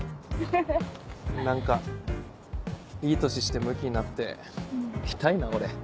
何かいい年してむきになってイタいな俺。